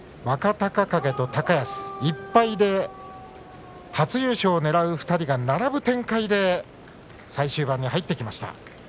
若隆景と高安１敗で初優勝をねらう２人が並ぶ展開で最終盤に入ってきました。